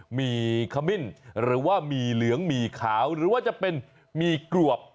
หมี่ขมิ้นหรือว่าหมี่เหลืองหมี่ขาวหรือว่าจะเป็นหมี่กรวบ